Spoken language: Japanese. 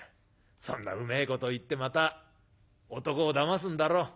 そんなうめえこと言ってまた男をだますんだろ？